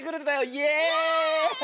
イエーイ！